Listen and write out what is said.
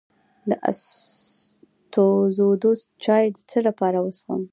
د اسطوخودوس چای د څه لپاره وڅښم؟